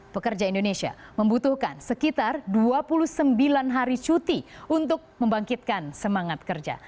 pekerja indonesia membutuhkan sekitar dua puluh sembilan hari cuti untuk membangkitkan semangat kerja